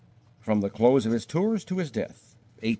From the close of his tours to his death: 1892 98.